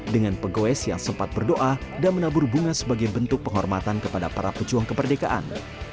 dengan pegoes yang sempat berdoa dan menabur bunga sebagai bentuk penghormatan kepada para pejuang kemerdekaan